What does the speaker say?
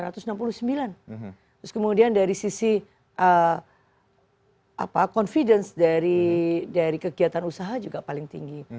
terus kemudian dari sisi confidence dari kegiatan usaha juga paling tinggi